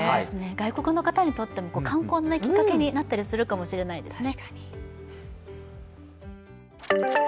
外国の方にとっても観光のきっかけになったりするかもしれないですね。